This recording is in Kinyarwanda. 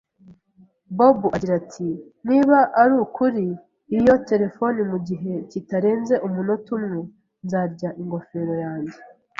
Bob agira ati: "Niba uri kuri iyo terefone mu gihe kitarenze umunota umwe, nzarya ingofero yanjye."